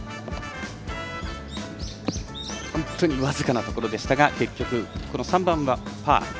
本当に僅かなところでしたが結局この３番はパー。